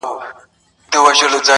• د زمريو په زانګوکي -